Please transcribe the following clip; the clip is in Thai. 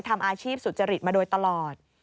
ทำอาชีพสุจริตมาโดยตลอด